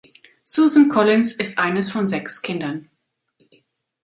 Susan Collins ist eines von sechs Kindern.